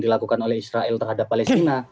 dilakukan oleh israel terhadap palestina